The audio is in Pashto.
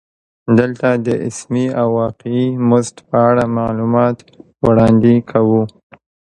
دلته د اسمي او واقعي مزد په اړه معلومات وړاندې کوو